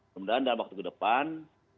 kemudian dalam waktu ke depan